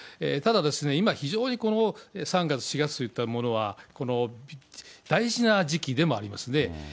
ただですね、今、非常にこの３月、４月といったものは、大事な時期でもありますね。